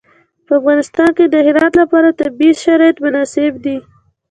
په افغانستان کې د هرات لپاره طبیعي شرایط مناسب دي.